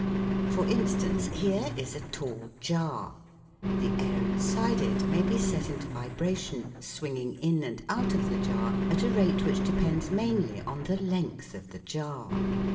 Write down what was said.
For instance, here is a tall jar (see later, Fig. 28) ; the air inside it may be set into vibration, swinging in and out of the jar at a rate which depends mainly on the length of the jar.